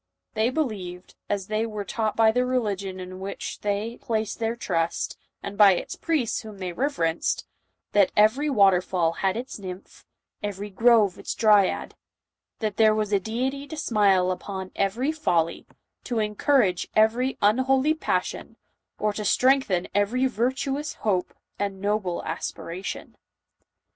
They believed, as they were taught by the religion in which they placed their trust, and by its priests whom they reverenced, that every water fall had its nymph, every grove its dryad, — that there was a deity to smile upon every folly, to encour age every unholy passion, or to strengthen every vir tuous hope and noble aspiration.